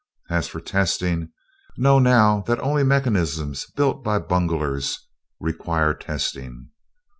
As for testing, know now that only mechanisms built by bunglers require testing.